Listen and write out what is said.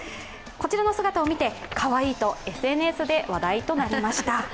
こちらの姿を見て、かわいいとＳＮＳで話題となりました。